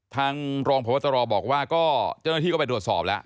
ทางรองประวัตรรอบอกว่าเจ้าหน้าที่ก็ไปโดดสอบแล้ว